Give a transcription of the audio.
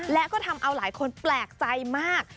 และก็ทำเอาหลายคนแปลกใจมาก